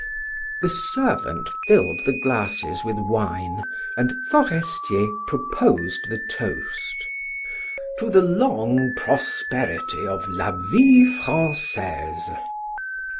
The servant filled the glasses with wine, and Forestier proposed the toast: "To the long prosperity of 'La Vie Francaise.'"